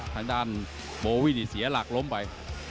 ทางด้านโบวี่เสียหลักล้มไป